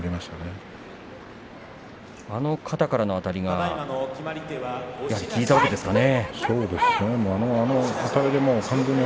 この肩からのあたりが効いたわけですかね。